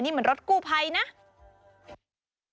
นี่มันรถกู้ภัยนะ